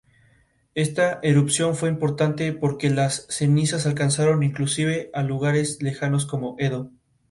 La película fue nominada a mejor documental en el Asia Pacific Screen Awards.